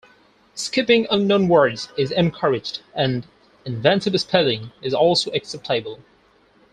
Skipping unknown words is encouraged, and "inventive" spelling is also acceptable.